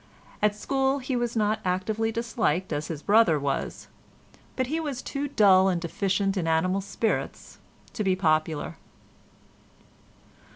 At school he was not actively disliked as his brother was, but he was too dull and deficient in animal spirits to be popular.